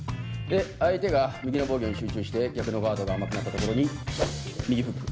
で相手が右の防御に集中して逆のガードが甘くなったところに右フック。